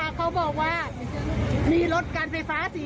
แล้วเขาบอกว่าโทรหาเท่าแก